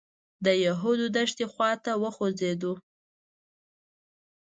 د یهودو دښتې خوا ته وخوځېدو.